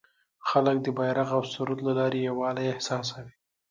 خلک د بیرغ او سرود له لارې یووالی احساسوي.